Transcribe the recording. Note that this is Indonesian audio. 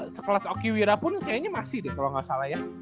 sekelas okiwira pun kayaknya masih deh kalau gak salah ya